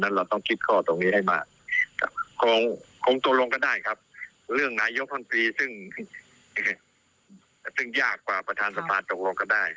หลายยกเยอะครับรอให้เค้ากุยกันให้ถูกค่ะ